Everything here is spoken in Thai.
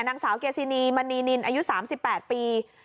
นางสาวเกซินีมณีนินอายุ๓๘ปี